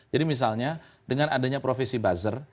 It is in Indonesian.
jadi misalnya dengan adanya profesi buzzer